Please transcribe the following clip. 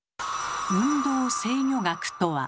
「運動制御学」とは？